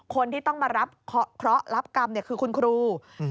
คนที่ต้องมารับเคราะห์รับกรรมคือคุณครู